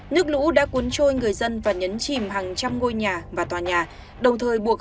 nước lũ đã cuốn trôi người dân và nhấn chìm hàng trăm ngôi nhà và tòa nhà